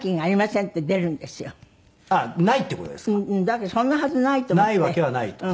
だけどそんなはずないと思って。